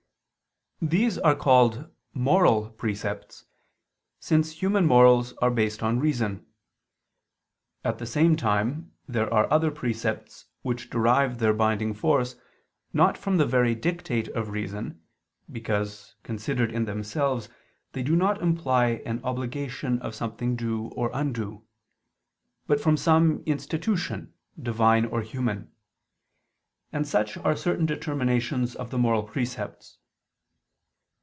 These are called "moral" precepts: since human morals are based on reason. At the same time there are other precepts which derive their binding force, not from the very dictate of reason (because, considered in themselves, they do not imply an obligation of something due or undue); but from some institution, Divine or human: and such are certain determinations of the moral precepts.